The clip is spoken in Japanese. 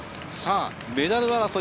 メダル争い。